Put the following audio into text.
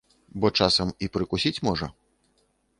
Бо часам і прыкусіць можа.